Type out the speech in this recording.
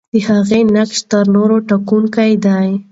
د هغې نقش تر نورو ټاکونکی دی.